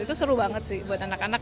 itu seru banget sih buat anak anak